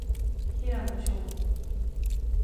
平野紫耀